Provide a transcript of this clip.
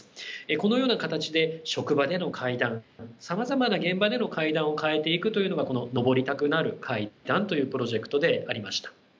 このような形で職場での階段さまざまな現場での階段を変えていくというのがこの「上りたくなる階段」というプロジェクトでありました。